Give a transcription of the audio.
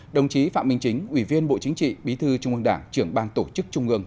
đồng chí phạm minh chính ủy viên bộ chính trị bí thư trung ương đảng trưởng ban tổ chức trung ương